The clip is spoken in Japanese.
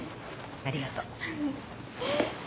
ありがとう。